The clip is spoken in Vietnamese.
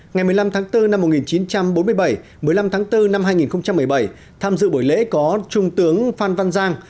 ngày một mươi năm tháng bốn năm một nghìn chín trăm bốn mươi bảy một mươi năm tháng bốn năm hai nghìn một mươi bảy tham dự buổi lễ có trung tướng phan văn giang